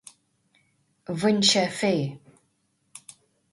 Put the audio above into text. Bhain sé faoi.